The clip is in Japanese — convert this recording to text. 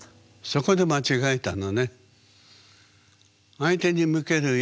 そこで間違えたのね。